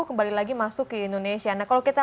kembali lagi masuk ke indonesia nah kalau kita